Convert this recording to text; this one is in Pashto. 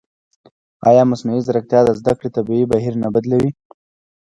ایا مصنوعي ځیرکتیا د زده کړې طبیعي بهیر نه بدلوي؟